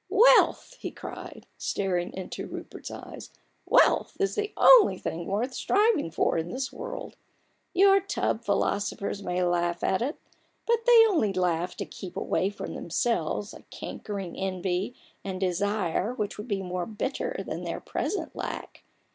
"Wealth!" he cried, staring into Rupert's eyes, " wealth is the only thing worth striving for in this world ! Your tub philosophers may laugh at it, but they only laugh to keep away from themselves a cankering envy and desire which would be more bitter than their present lack.